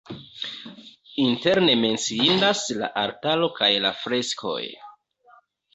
Interne menciindas la altaro kaj la freskoj.